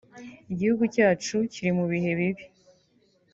Igihugu cyacu kiri mu bihe bibi